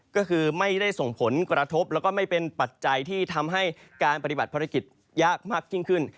ก็คือไม่ได้ส่งผลกระทบแล้วก็ไม่เป็นปัจจัยที่ทำให้การปฏิบัติภารกิจยากมากยิ่งขึ้น